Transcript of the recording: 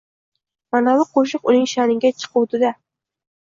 Manavi qoʼshiq uning shaʼniga chiquvdi-da: